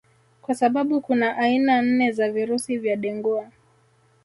Kwa sababu kuna aina nne za virusi vya Dengua